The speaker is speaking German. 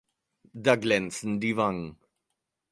Da glänzen die Wangen.